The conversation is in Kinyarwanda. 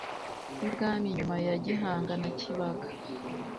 b'ibwami nyuma ya gihanga na kibaga